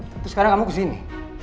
terus sekarang kamu ke sini